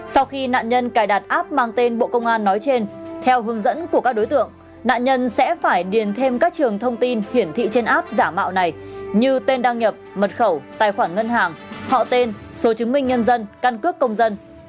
sau khi nạn nhân cài đặt app mang tên bộ công an nói trên theo hướng dẫn của các đối tượng nạn nhân sẽ phải điền thêm các trường thông tin hiển thị trên app giả mạo này như tên đăng nhập mật khẩu tài khoản ngân hàng họ tên số chứng minh nhân dân căn cước công dân